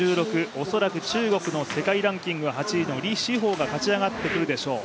おそらく中国の世界ランキング８位の李詩ホウが勝ち上がってくるでしょう。